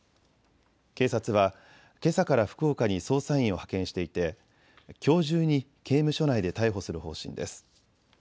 警察はけさから福岡に捜査員を派遣していてきょう中に刑務所内で逮捕する方針です。